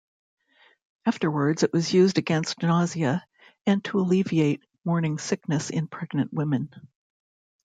Afterwards it was used against nausea and to alleviate morning sickness in pregnant women.